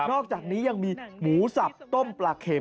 อกจากนี้ยังมีหมูสับต้มปลาเข็ม